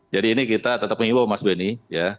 jadi ini kita tetap menghimbau mas benny